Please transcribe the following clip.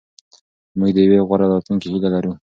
موږ د یوې غوره راتلونکې هیله لرو.